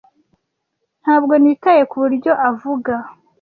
Ntabwo nitaye kuburyo avuga.